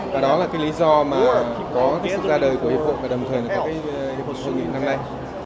và đó là lý do mà có sức ra đời của hiệp hội và đồng thời là hiệp hội chủ nghĩa năm nay